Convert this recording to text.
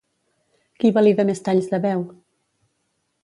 Qui valida més talls de veu?